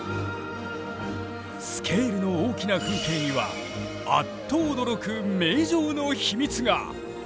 スケールの大きな風景にはあっと驚く名城の秘密が！